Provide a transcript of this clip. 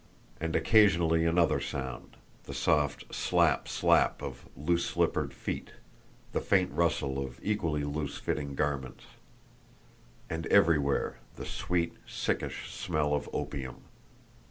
And occasionally another sound: the soft SLAP SLAP of loose slippered feet, the faint rustle of equally loose fitting garments. And everywhere the sweet, sickish smell of opium.